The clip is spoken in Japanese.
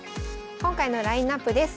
今回のラインナップです。